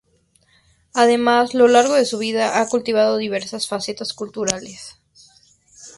Además a lo largo de su vida ha cultivado diversas facetas culturales.